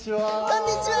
こんにちは！